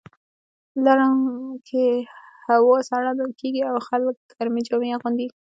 لړم کې هوا سړه کیږي او خلک ګرمې جامې اغوندي.